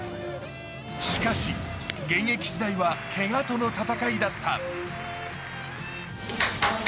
しかし、現役時代はけがとの戦いだった。